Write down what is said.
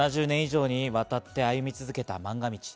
７０年以上にわたって歩み続けた、漫画道。